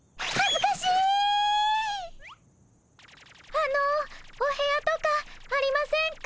あのお部屋とかありませんか？